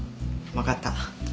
わかった。